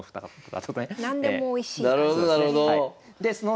何でもおいしい感じですね。